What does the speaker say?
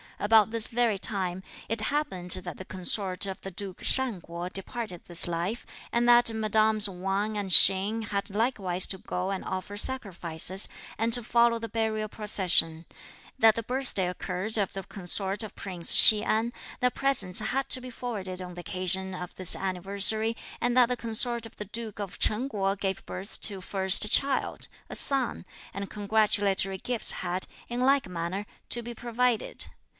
About this very time, it happened that the consort of the Duke Shan Kuo departed this life, and that mesdames Wang and Hsing had likewise to go and offer sacrifices, and to follow the burial procession; that the birthday occurred of the consort of Prince Hsi An; that presents had to be forwarded on the occasion of this anniversary; and that the consort of the Duke of Chen Kuo gave birth to a first child, a son, and congratulatory gifts had, in like manner, to be provided.